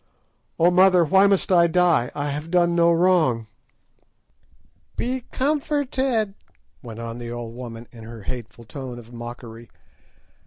Oh, mother, why must I die? I have done no wrong!" "Be comforted," went on the old woman in her hateful tone of mockery.